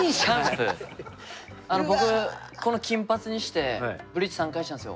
僕この金髪にしてブリーチ３回したんですよ。